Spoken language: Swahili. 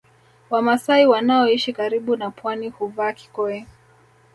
Wamasai wanaoishi karibu na pwani huvaa kikoi